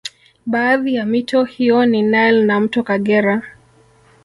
Baadhi ya mito hiyo ni Nile na mto Kagera